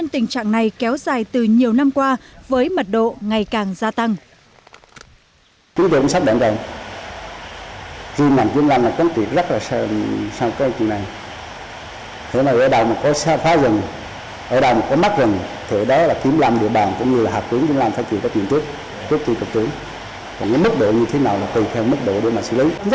trạng này kéo dài từ nhiều năm qua với mật độ ngày càng gia tăng